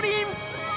うわ！